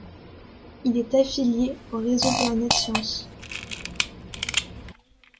Il est affilié au réseau Planète Science.